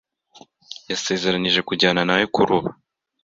yasezeranije kunjyanawe kuroba.